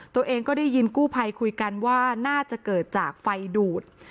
ตัวเองก็ได้ยินกู้ภัยคุยกันว่าน่าจะเกิดจากไฟดูด